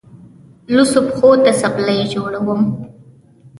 لوڅو پښو ته څپلۍ جوړوم.